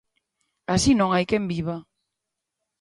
Así non hai quen viva.